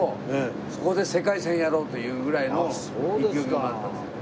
そこで世界戦やろうというぐらいの意気込みもあったんですよ。